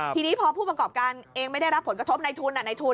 ทีนี้พอผู้ประกอบการเองไม่ได้รับผลกระทบในทุนในทุน